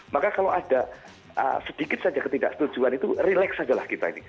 maka kalau ada sedikit saja ketidaksetujuan itu relax aja lah kita ini